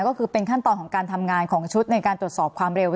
ก็คือเป็นขั้นตอนของการทำงานของชุดในการตรวจสอบความเร็ว